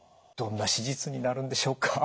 どんな手術になるんでしょうか？